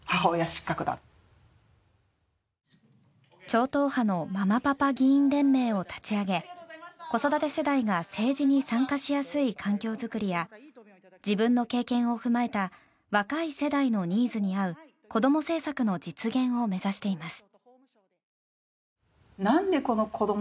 超党派のママパパ議員連盟を立ち上げ子育て世代が政治に参加しやすい環境作りや自分の経験を踏まえた若い世代のニーズに合う子供政策の実現を目指しています。